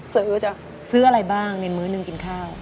ซื้อจะซื้ออะไรบ้างในมื้อหนึ่งกินข้าว